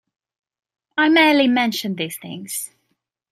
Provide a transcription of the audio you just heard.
I merely mention these things.